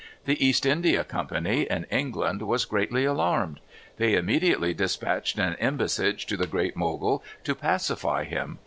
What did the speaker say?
The East India Company, in England, was greatly alarmed. They immediately dispatched an embassage to the Great Mogul to pacify him.